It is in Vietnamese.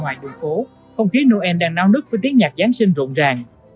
ngoài đường phố không khí noel đang nao nứt với tiếng nhạc giáng sinh rộn ràng